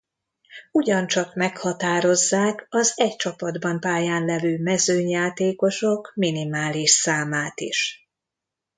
Ugyancsak meghatározzák az egy csapatban pályán levő mezőnyjátékosok minimális számát is.